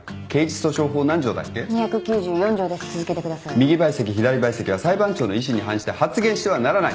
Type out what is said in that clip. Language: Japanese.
「右陪席左陪席は裁判長の意思に反して発言してはならない。